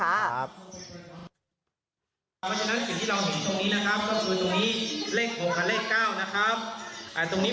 เพราะฉะนั้นสิ่งที่เราเห็นตรงนี้นะครับก็คือตรงนี้